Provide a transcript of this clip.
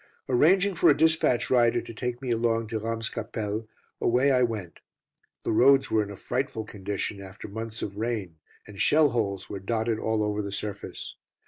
Arranging for a dispatch rider to take me along to Ramscapelle, away I went. The roads were in a frightful condition after months of rain, and shell holes were dotted all over the surface.